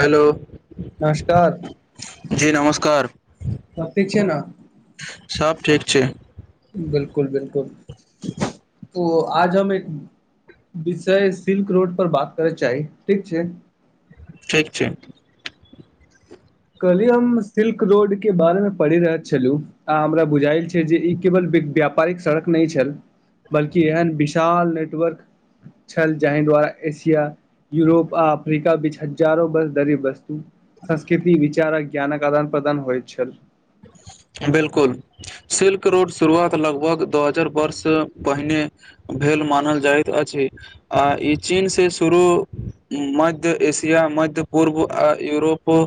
Hello. नमस्कार जी नमस्कार। सब ठीक छै ने। सब ठीक छै। ओ आज हम एक विषय सिल्क रोड पर बात करय चाही, ठीक छै। ठीक छै। कहलियै हम सिल्क रोड के बारे में पढ़ि रहल छलहुँ, आ हमरा बुझाायल छै जे ई केवल। व्यापारिक सड़क नहि छल बल्कि एहन विशाल नेटवर्क। छल जहि द्वारा एशिया, यूरोप आ अफ्रीका बीच हज़ारों बस दरीब वस्तु। सस्। चारा ज्ञानक आदान- प्रदान होइ छल। ह [inaudible] 'बिलकुल' सिल्क रोड शुरुआत लगभग दो हजार वर्ष पहिने भेल। लेल मानल जाइत अछि, आ ई चीनसँ शुरू मध्य एशिया मध्य उद्योग पूर्व, आ यूरोपो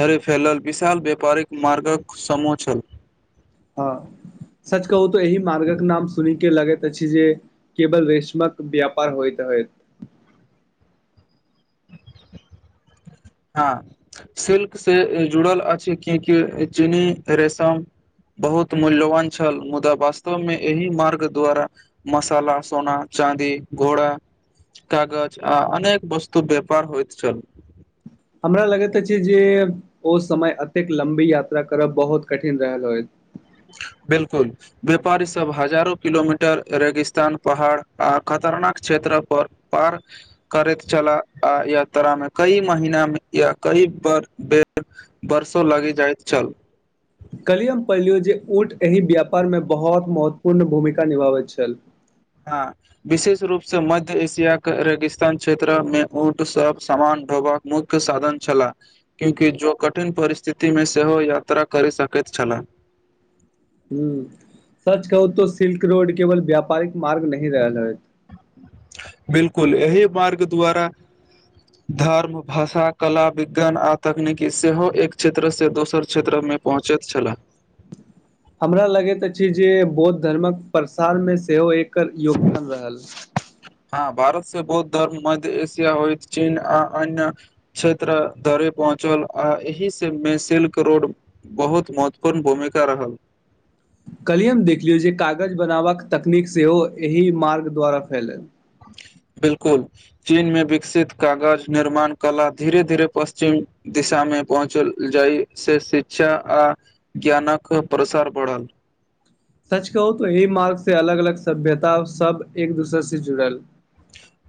धरि फैलल विशाल व्यापारिक मार्गक समो छल। हँ। सच कहू तऽ एहि मार्गक नाम सुन के लगैत अछि जे, केवल रेशमक व्यापार होइते। होयेत। [inaudible] हँ, सिल्क से जुड़ल अछि, कियक चीनी रेशम बहुत मूल्यवान छल, मुदा वास्तव मे एहि मार्ग द्वारा! मसाला, सोना, चाँदी, घोड़ा, कागज, आ अनेक वस्तु वेपार होइत छल। हमरा लगैत अछि जे, ओ समय एतेक लम्बी यात्रा करब बहुत कठिन रहल होय। [inaudible] 'बिलकुल' व्यापारी सब, हजारो किलोमीटर रेगिस्तान पहाड़, आ खतरनाक क्षेत्र पर पार करैत छलाह, आ यात्रामे कई महिनामे या कई पर बेर वरसों लागि जाइत छल। कलिय हम पहिलियौ जे ऊट एहि व्यापारमे बहुत महत्वपूर्ण भूमिका निभाबैत छल। हँ, विशेष रूपसँ मध्य एशिया के रेगिस्तान क्षेत्रमे, ऊट सभ सामान ढोबाक मुख्य साधन छलाह, क्यूकि जो कठिन परिस्थितिमे सेहो यात्रा करि सकै एत छला। [inaudible] हूँ, सच कहू तो सिल्क रोड केवल व्यापारिक मार्ग नहि रहल ह। 'बिपलकुल' एहि मार्ग द्वारा धर्म, भाषा, कला, विज्ञान आ तकनीकी सेहो एक क्षेत्र से दोसर क्षेत्र मे मे पहुँचैत छला। हमरा लगैत अछि जे, बौद्ध धर्मक प्रसारमे सेहो एकर योगदान रहल। भारत से बौद्ध धर्म, मध्य एशिया होइत चीन, आ अन्य क्षेत्र धर पहुँच चल, आ एहि सभमे सिल्क रोड, बहुत महत्वपूर्ण भूमिका रहल। कल्हिए हम देखलियौ जे, कागज बनाबाक तकनीक सेहो एहि मार्ग द्वारा फैलल। 'बिलकुल' चीनमे विकसित कागज निर्माण कला, धीरे- धीरे पश्चिम दिशा मे पहुँचल जाय, से शिक्षा आ ज्ञानक प्रसार बढ़ल। सच कहू तऽ, य मार्ग से अलग -अलग सभ्यता सब, एक दूसरे से जुड़ल।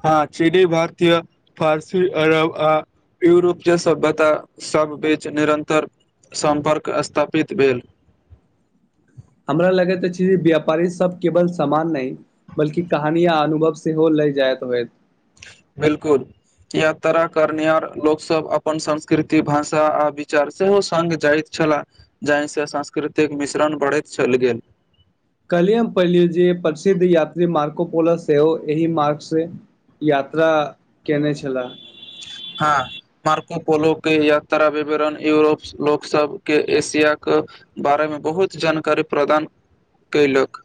हँ, चीनी भारतीय, फारसी, अरब, आ यूरोप जे सभ्यता सब बीच निरन्तर सम्पर्क स्थापित भेल। हमरा लगैत अछि जे व्यापारी सब केवल समान नहि, बलकी कहानी या अनुभव सेहो लए जायत होएत। 'बिलकुल'! यात्रा करनिहार लोक सब, अपन संस्कृति भाषा आ विचार सेहो सग जाइत छलाह, जाहिसँ सांस्कृतिक मिश्रण बढ़ैत चल गेल। कलियम पढलिये जेप्रसिद्ध यात्री मार्कोपोल सेहो एहि मार्क से यात्रा केने छला। [inaudible] हँ मार्कोपोलो के यात्रा विवरण यूरोपस लोक सबके एशिया के बारेमे बहुत जानकारी प्रदान कयलक।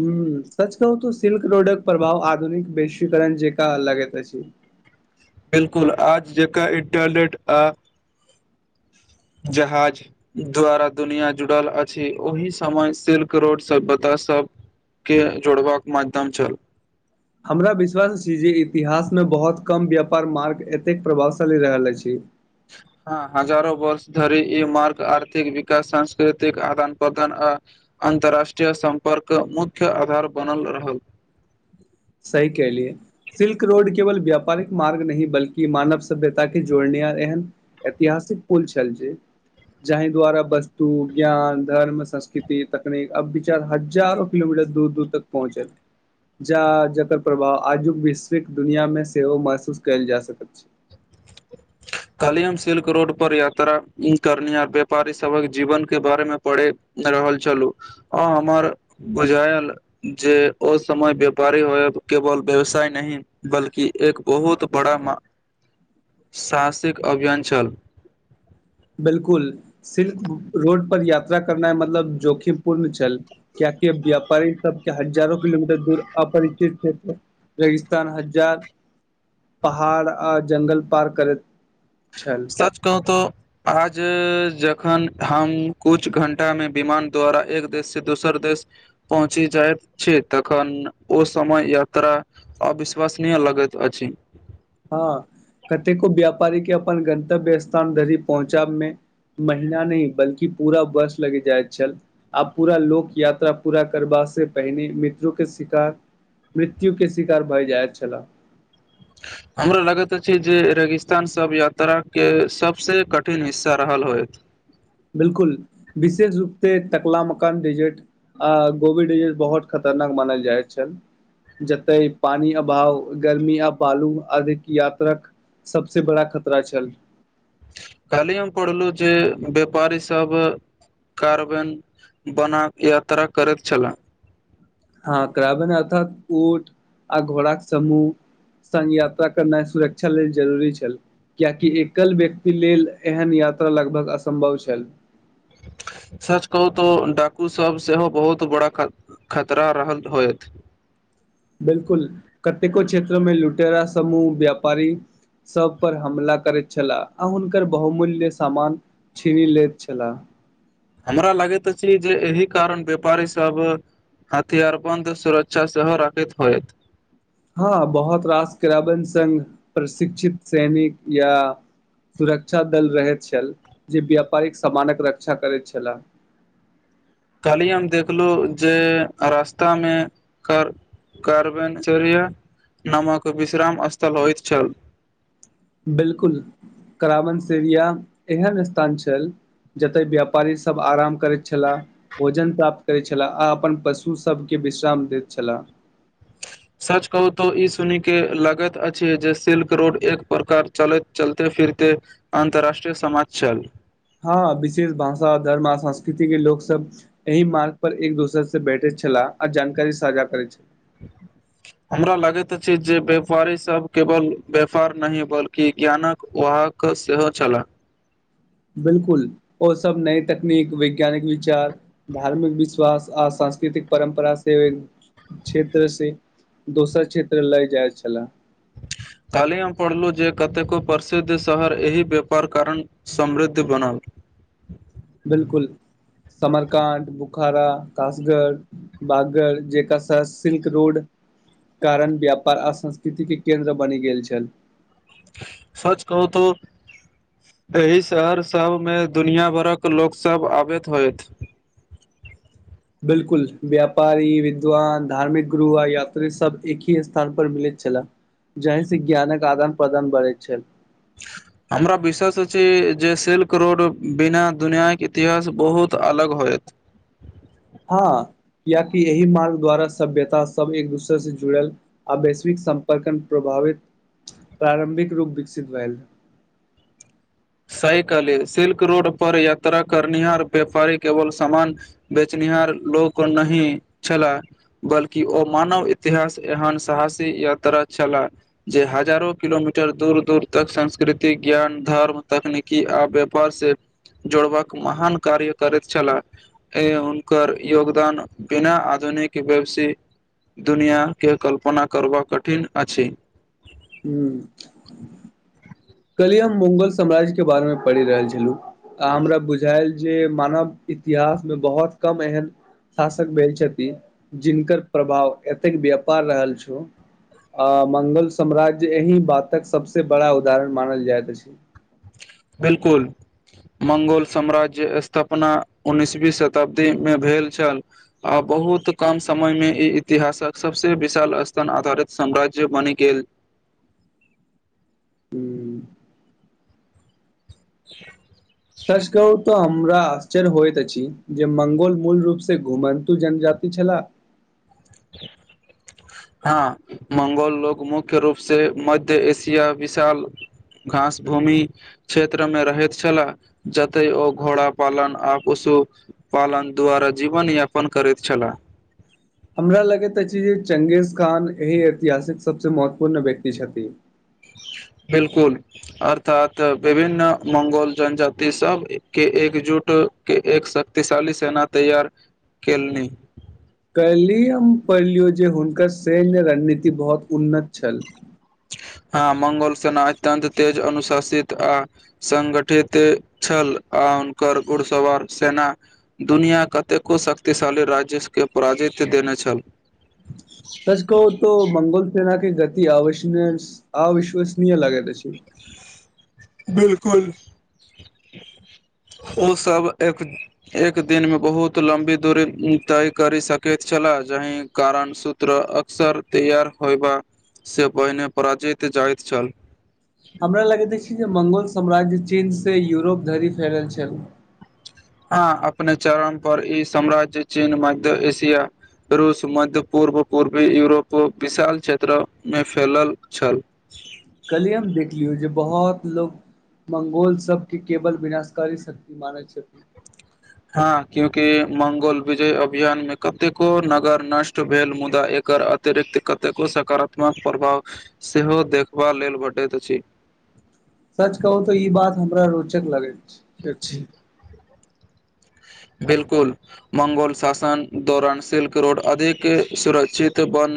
हूं सच कहू तऽ सिल्क रोडक प्रभाव आधुनिक वैश्वीकरण जेंका लगैत अछी। बिलकुल आज जेका इंटरनेट आ जहाज द्वारा दुनिया जुड़ल अछि ओहि समय सिल्क रोडसँ बता सभकेँ जोड़बाक माध्यम छल। हमरा विश्वास अछी जे इतिहासमे बहुत कम व्यापार मार्ग एतेक प्रभावशाली रहल अछि। [inaudible] हँ हजारो वर्ष धरी ई मार्ग आर्थिक विकास, सांस्कृतिक आदान प्रदान आ अन्तर्राष्ट्रीय सम्पर्क मुख्य आधार बनल रहल। सही कहेलियै सिल्क रोड केवल व्यापारिक मार्ग नहि बल्कि मानव सभ्यता के जोड़ने हार एहन ऐतिहासिक पुल छल जे जाहि द्वारा वस्तु, ज्ञान, धर्म, संस्कृति, तकनीक आ विचार हजारो किलोमीटर दूर दूर तक पहुँचल। जा जकर प्रभाव आजुक वैश्विक दुनिया मे सेहो महसूस कयल जा सकैत छै। [inaudible] कल्ही हम सिल्क रोड पर यात्रा करनिहार व्यापारी सबक जीवन के बारेमे पढ़े रहल छलु। आ हमर बुझायल जे ओ समय व्यापारी होय ब केवल व्यवसाय नहि बल्कि एक बहुत बड़ा मा साहसिक अभियान छल। बिलकुल सिल्क रोड पर यात्रा करनाई मतलब जोखिमपूर्ण छल। कीये कि व्यापारी सबके हजारों किलोमीटर दूर अपरिचित क्षेत्र रेगिस्तान, हजार पहाड़ आ जङ्गल पार करैत छल सच कहूं तो आज जखन हम कुछ घंटा मे विमान द्वारा एक देश से दोसर देश पहुँची जाइत छै तखन ओ समय यात्रा अविश्वसनीय लगैत अछि। हँ कतेको व्यापारी के अपन गन्तव्य स्थान धरि पहुँचाबमे महीना नहि बल्कि पूरा वर्ष लगि जायत छल आब पूरा लोक यात्रा पूरा करबा ओसे पहिने मित्रो के शिकार मृत्यु के शिकार भय जायत छला। [inaudible] हमरा लगैत अछि जे रेगिस्तान सभ यात्राके सभसँ कठिन हिस्सा रहल होइत। बिलकुल विशेष रूप से टकलामकान डेजर्ट आ गोवी डेजर्ट बहुत खत खतरनाक मानल जायत छल। जतय पानी अभाव, गर्मी आ बालू अधिक यात्रक सबसे बड़ा खतरा छल। कल्ही हम पढ़लु जे व्यापारीसभ कार्बेन बनाक यात्रा करैत छलाह। हँ क्रावेन अर्थात ऊट आ घोड़ाक समूह संग यात्रा करनाई सुरक्षा लेल जरूरी छल कियकि एकल व्यक्ति लेल एहन या त्रा लगभग असम्भव छल। [inaudible] सच कहू तो डाकू सब सेहो बहुत बड़ा ख खतरा रहल होयत। [inaudible] बिलकुल कतेको क्षेत्रमें लुटेरा समूह व्यापारी सभ पर हमला करैत छलाह, आ हुनकर बहुमूल्य सामान छीनि लैत छलाह। हमरा लगैत अछि जे एहि कारण व्यापारीसभ। हथियारबंद सुरक्षा सेहो राखैत होयत। हँ बहुत रास क्राइबन संघ, प्रशिक्षित सैनिक या। सुरक्षा दल रहैत छल, जे व्यापारिक सामानक रक्षा करैत छलाह। खाली हम देखलहु जे रास्ता में कर। कार्बनचरिया नामक विश्राम स्थल होइत छल। बिल्कुल, कराबनसरिया एहन स्थान छल। जते व्यापारी सब आराम करैत छलाह। भोजन प्राप्त करैत छलाह आ अपन पशु सबके। विश्राम दैत छलाह। [unintelligible] सच कहू तो ई सुन के लागैत अछि जे सिल्क रोड एक प्रकार चलैत, चलते फिर। अन्तराष्ट्रीय समाज छल। हँ विशेष भाषा, धर्म आ संस्कृति के लोक सब एहि मार्ग पर एक-दोसर से बैठे। छलाह आ जानकारी साझा करै छै। [unintelligible] हमरा लगैत अछि जे व्यापारीसभ केवल व्यापार नहि, बल्कि ज्ञानक वह। हक सेहो छलाह। बिल्कुल, ओ सब नई तकनीक, वैज्ञानिक विचार धार्मिक विश्वास आसान। सांस्कृतिक परम्परा से, क्षेत्र से। दोसर क्षेत्र ल जाय छलाह। [unintelligible] काल्हि हम पढ़लहुँ जे कतेको प्रसिद्ध शहर एहि व्यापार कारण समृद्ध बनल। [unintelligible] बिल्कुल। समरकाड, बुखारा, कसगढ़, बगगर जेकाश, सिल्क रोड। कारण व्यापार आ संस्कृतिके केन्द्र बनि गेल छल। सच कहूतौ। एहि शहर सबमें दुनिआँ भरक लोकसभ आबैत होथि। [inaudible] बिल्कुल व्यापारी, विद्वान, धार्मिक गुरु आ यात्री सब एक ही स्थान पर मिले छै। छैला, जाहिसे ज्ञानक आदान-प्रदान बढ़ै छल। [unintelligible] हमरा विश्वास अछि जे सिल्क रोड बिना दुनिया के इतिहास बहुत अलग होयत। [unintelligible] हँ कियाकि एहि मार्ग द्वारा सभ्यता सभ एक-दोसरसँ जुड़ल आ वैश्विक सम्पर्क प्रभाव। प्रारम्भिक रूप विकसित भेयल। [inaudible] सही कहलियै, सिल्क रोड पर यात्रा करनिहार व्यापारी केवल सामान बेचनिहार ल। लोक नहि छलाह, बल्कि ओ मानव इतिहास एहन साहसी यात्रा। छलाह जे हजारो किलोमीटर दूर-दूर तक संस्कृति, ज्ञान, धर्म। तकनीकी आ व्यापार से। जोड़बाक महान कार्य करैत छलाह। तैं हुनकर योगदान बिना आद। निक वेबसी दुनिआाके कल्पना करबाक कठिन अछि। हूं। कहलियै हम मुंगल साम्राज्य के बारेमे पढ़ि रहल छलहुँ, आ हमरा बुझायल जे मानव इतिहास मे बहुत कम एहन शासक भेल छथिन, जिनकर प्रभाव एतेक व्यापार रहल छ। आ, मंगल साम्राज्य एहि बातक सबसे बड़ा उदाहरण मानल जाइत अछि। 'बिलकुल' मंगोल साम्राज्य स्थापना उन्नसवी शताब्दी मे भेल छल। आ बहुत कम समयमे ई इतिहासक सबसे विशाल स्थान आधारित साम्राज्य बनि गेल। हूँ, [inaudible] सच कहूं तऽ हमरा आश्चर्य होइत अछि, जे मंगोल मूल रूप से घुमन्तु जनजाति छलाह? [inaudible] हँ, मंगोल लोक मुख्य रूप से, मध्य एशिया, विशाल घास भूमि क्षेत्रमे रहैत छलाह। जतय ओ घोड़ा पालन आपस ओ पालन द्वारा जीवनयापन करैत छलाह। हमरा लगैत अछि जे चंगेज खान, एहि ऐतिहासिक सबसे महत्वपूर्ण व्यक्ति छथि। ह [unintelligible] 'बिलकुल' अर्थात विभिन्न मंगोल जनजाति सभके एकजुट अ के एक शक्तिशाली सेना तैयार केलनि कल्हि हम पढलियौ जे, हुनकर सैन्य रणनीति बहोत उन्नत छल। हां, मंगोल सेना अत्यंत तेज, अनुशासित, आ संगठित छल, आ आ हुनकर घुड़सवार सेना, दुनिया कतेको शक्तिशाली राज्यस के पराजित देने छल। सच कहू तो मंगोल सेेना के गति आवसनीय स अविश्वसनीय लागैत अछि। 'बिल्कुल' ओ सब एक एक दिनमे, बहुत लम्बी दूरी तय करि सकैत छलाह। जाहि कारण सूत्र अक्सर तैयार हौवा से पहिने पराजित जाइत छल। हमरा लगैत अछि जे, मंगोल साम्राज्य चीन से यूरोप धरि फैलल छल। हां अपने चरम पर ई साम्राज्य चीन मध्य एशिया रूस, मध्य पूर्व, पूर्वी यूरोप, विशाल क्षेत्र मे फैलल छल। कल्हि हम देख लियौ जे बहोत लोक मंगोल सबके केवल विनाशकारी शक्ति मानै छै। हां 'क्यूंकि' मंगोल विजय अभियान मे कतेको नगर नष्ट भेल, मुदा एक क अतिरिक्त कतेको सकारात्मक प्रभाव सेहो देखबा लेल भेटैत अछि। [inaudible] सच कहू तऽ ई बात हमरा रोचक लगैत छ अछि। 'बिल्कुल' मंगोल शासन दौरान सिल्क रोड अधिक सुरक्षित बन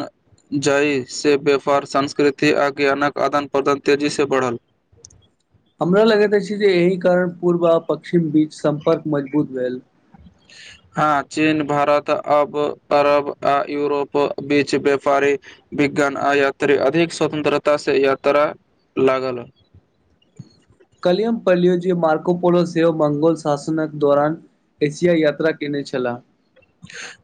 जाय, से व्यापार संस्कृति आ ज्ञानक आदान प्रदान तेजी से बढ़ल। [inaudible] हमरा लगैत अछि जे,। एहि कारण पूर्व आ पश्चिम बीच सम्पर्क मजबूत भेल। हां, चीन, भारत, अब अरब, आ यूरोप, बीच व्यापारि विज्ञान आ यात्री अधिक स्वतन्त्रता से यात्रा लागल। [inaudible] कल्हि हम पढ़लियौ जे मार्कोपोलो सेहो मंगोल शासनक दौरान। एशिया यात्रा कयने छला।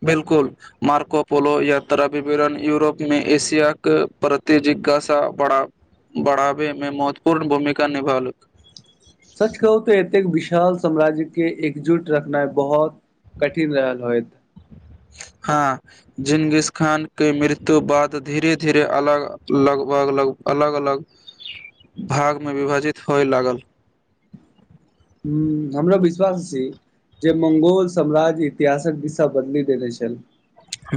बिल्कुल मार्कोपोलो यात्रा विवरण यूरोप में एशिया के प। प्रति जिज्ञासा बडा़ बढबैमें महत्वपूर्ण भूमिका निभालक। सच कहू तऽ एतेक विशाल साम्राज्यके एकजुट रखनाय बहोत। कठिन रहल होएत। [inaudible] हां, जिनगिस खान के मृत्यु बाद धीरे-धीरे अलग लगभग लग। अलग-अलग भागमें विभाजित होय लागल। हुं हमरा विश्वास छी। जे मंगोल साम्राज्य इतिहासक दिशा बदलि देने छल।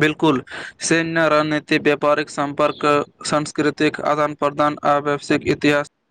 बिल्कुल, सैन्य राणनीतिक व्यापारिक संपर्क सांस्कृतिक आदान-प्र। प्रदान आ व्वसिक इतिहास।